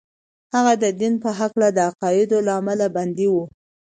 هغه د دين په هکله د عقايدو له امله بندي و.